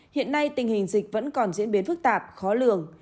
hiện nay tình hình dịch vẫn còn diễn biến phức tạp khó lường